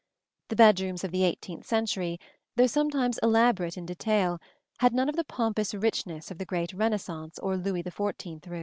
The bedrooms of the eighteenth century, though sometimes elaborate in detail, had none of the pompous richness of the great Renaissance or Louis XIV room (see Plate LIV).